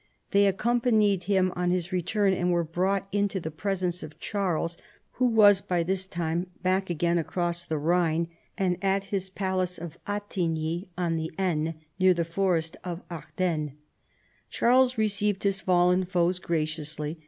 They accompanied him on his return, and were brought into the pres ence of Charles, who was by this time back again across the Rhine and at his palace of Attigny on the Aisne, near the , forest of Ardennes. Charles received his fallen foes graciously.